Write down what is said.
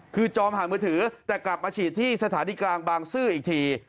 คือจอมผ่านมือถือแต่กลับมาฉีดที่สถานีกลางบางซื่ออีกที